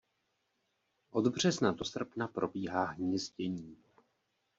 Od března do srpna probíhá hnízdění.